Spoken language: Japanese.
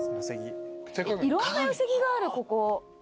いろんな寄木があるここ。